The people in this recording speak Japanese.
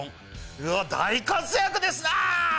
うわ、大活躍ですな。